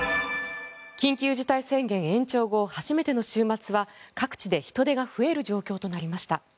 緊急事態宣言延長後初めての週末は各地で人出が増える状況となりました。